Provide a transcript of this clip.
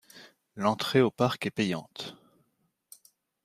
L'entrée au parc est payante.